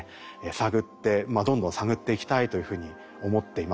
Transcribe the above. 探ってどんどん探っていきたいというふうに思っています。